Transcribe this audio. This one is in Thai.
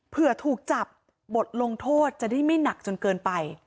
ถูกจับบทลงโทษจะได้ไม่หนักจนเกินไป